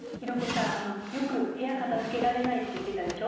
よく部屋片づけられないって言ってたでしょ。